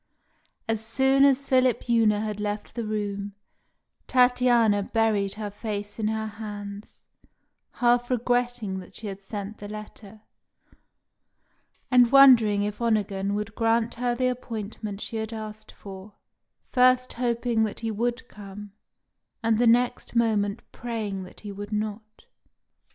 As soon as Philipjewna had left the room, Tatiana buried her face in her hands, half regretting that she had sent the letter, and wondering if Onegin would grant her the appointment she had asked for, first hoping that he would come, and the next moment praying that he would not.